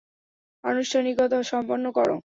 আনুষ্ঠানিকতা সম্পন্ন করো।